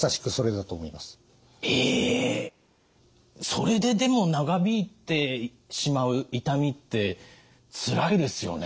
それででも長引いてしまう痛みってつらいですよね。